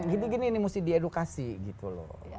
gini gini ini mesti diedukasi gitu loh